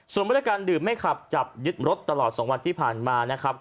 ส่วนมาตรการดื่มไม่ขับจับยึดรถตลอด๒วันที่ผ่านมานะครับ